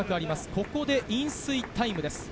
ここで飲水タイムです。